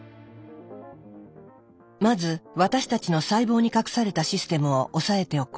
まず私たちの細胞に隠されたシステムを押さえておこう。